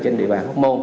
trên địa bàn tp hcm